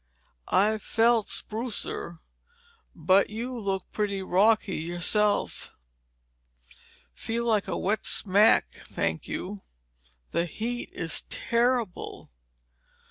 "I've felt sprucer. But you look pretty rocky yourself." "Feel like a wet smack, thank you. The heat is terrible."